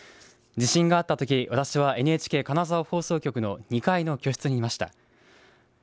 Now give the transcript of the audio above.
地震があったとき私はＮＨＫ金沢放送局の２階の居室にいました。